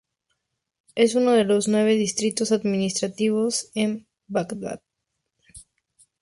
Es uno de los nueve distritos administrativos en Bagdad.